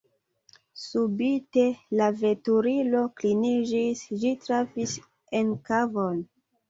Subite la veturilo kliniĝis: ĝi trafis en kavon.